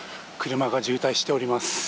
車が渋滞しております。